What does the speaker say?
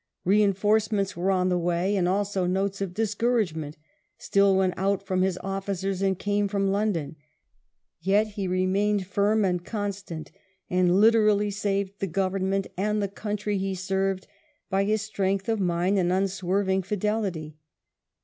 Reinforcements were on the way, and also notes of discouragement still went out from his officers and came from London ; yet he remained, firm and con stant, and literally saved the Government and the country he served by his strength of mind and unswerv ing fidelity.